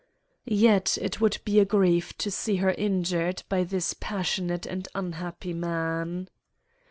"Yet it would be a grief to see her injured by this passionate and unhappy man.